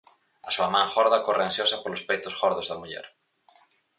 A súa man gorda corre ansiosa polos peitos gordos da muller.